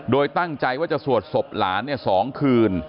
โดยตั้งใจว่าจะสวดศพหลาน๒คืน